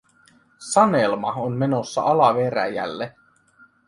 Sanelma on menossa alaveräjälle.